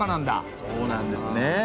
そうなんですね。